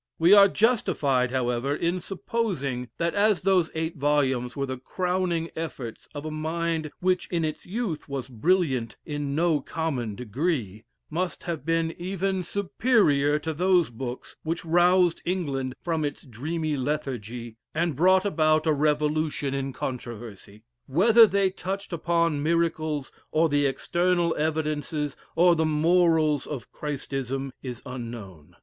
We are justified, however, in supposing that as those eight volumes were the crowning efforts of a mind which in its youth was brilliant in no common degree, must have been even superior to those books which roused England from its dreamy lethargy, and brought about a revolution in controversy. Whether they touched upon miracles, or the external evidences, or the morals of Christism, is unknown.